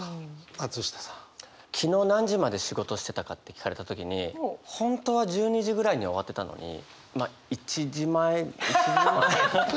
昨日何時まで仕事してたかって聞かれた時に本当は１２時ぐらいには終わってたのにまあ１時前１時前。